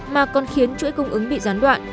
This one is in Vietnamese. mà còn khiến chuỗi cung ứng bị gián đoạn